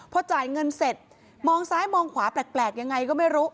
พอจ่ายเงินเสร็จมองซ้ายมองขวาแปลกยังไงก็ไม่รู้